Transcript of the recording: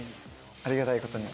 ありがたいことに。